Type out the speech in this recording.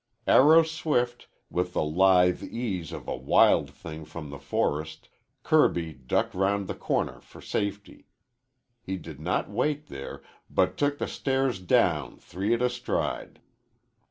Arrow swift, with the lithe ease of a wild thing from the forest, Kirby ducked round the corner for safety. He did not wait there, but took the stairs down three at a stride.